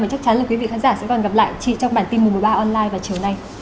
và chắc chắn là quý vị khán giả sẽ còn gặp lại chị trong bản tin một trăm một mươi ba online vào chiều nay